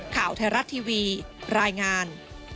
ข่าวไทยรัฐทีวีรายงาน